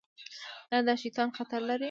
ایا دا شیان خطر لري؟